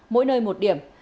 mỗi nơi một điểm